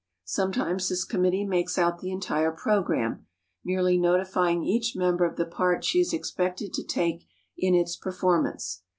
Sometimes this committee makes out the entire program, merely notifying each member of the part she is expected to take in its performance.